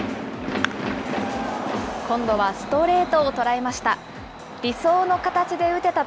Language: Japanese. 今度はストレートを捉えました。